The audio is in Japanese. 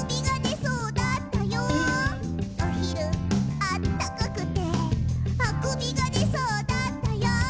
「おひる、あったかくてあくびがでそうだったよ」